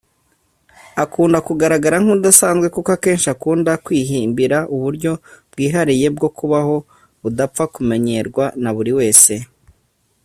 Akunda kugaragara nk’udasanzwe kuko akenshi akunda kwihimbira uburyo bwihariye bwo kubaho budapfa kumenyerwa na buri wese